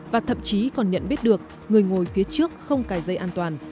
và thậm chí còn nhận biết được người ngồi phía trước không cài dây an toàn